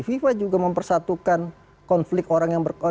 fifa juga mempersatukan konflik orang yang